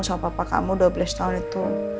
sama papa kamu dua belas tahun itu